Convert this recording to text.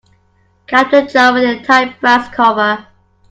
Cap the jar with a tight brass cover.